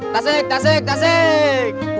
tasik tasik tasik